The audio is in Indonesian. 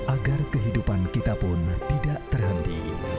agar kehidupan kita pun tidak terhenti